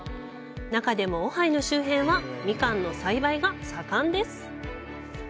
中でもオハイの周辺はミカンの栽培が盛んです。